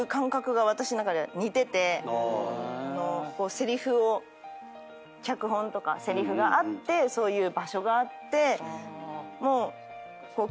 せりふを脚本とかせりふがあってそういう場所があってもう。